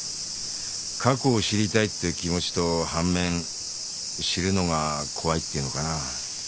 過去を知りたいっていう気持ちと半面知るのが怖いっていうのかな。